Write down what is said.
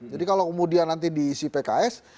jadi kalau kemudian nanti diisi pks